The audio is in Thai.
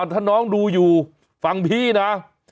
ถ้าน้องดูอยู่ฟังพี่นะ